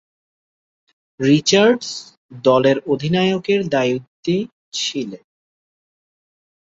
Richards দলের অধিনায়কের দায়িত্বে ছিলেন।